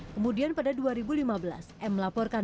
kemudian pada dua ribu lima belas m melaporkan